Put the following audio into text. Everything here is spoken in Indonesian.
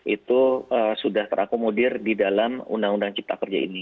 itu sudah terakomodir di dalam undang undang cipta kerja ini